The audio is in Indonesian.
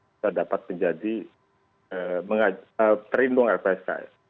bisa dapat menjadi perlindungan lpsk